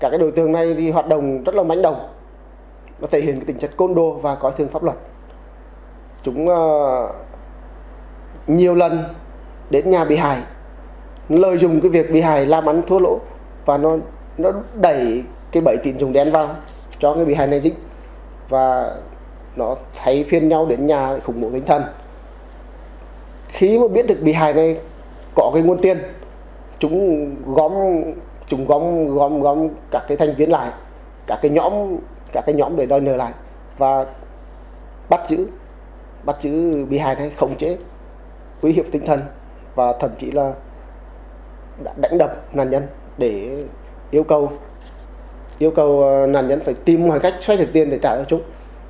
khi mà biết được bị hài này có cái nguồn tiền chúng gom chúng gom gom gom cả cái thanh viên lại cả cái nhóm cả cái nhóm để đòi nở lại và bắt giữ bắt giữ bị hài này khổng chế uy hiếp tinh thần và thậm chí là đã đánh đập nạn nhân để yêu cầu yêu cầu nạn nhân phải tìm một cách xét được tiền để trả cho chúng